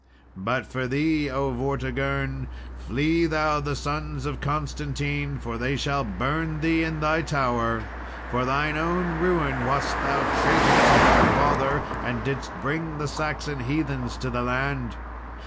"But as for thee, O Vortigern, flee thou the sons of Constantine, for they shall burn thee in thy tower. For thine own ruin wast thou traitor to their father, and didst bring the Saxon heathens to the land.